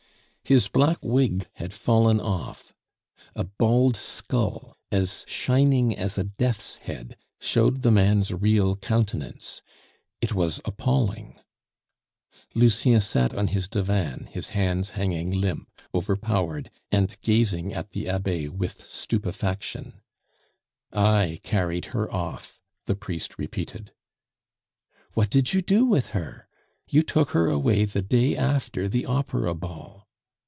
His black wig had fallen off. A bald skull, as shining as a death's head, showed the man's real countenance. It was appalling. Lucien sat on his divan, his hands hanging limp, overpowered, and gazing at the Abbe with stupefaction. "I carried her off," the priest repeated. "What did you do with her? You took her away the day after the opera ball."